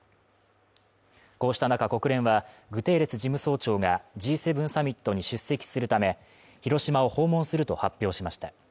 こうした中国連はグテーレス事務総長がＧ７サミットに出席するため広島を訪問すると発表しました。